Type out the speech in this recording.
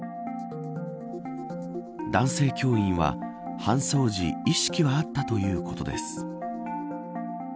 男性教員は搬送時意識はあったということです。